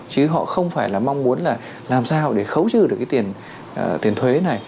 chứ họ không phải là mong muốn là làm sao để khấu trừ được cái tiền thuế này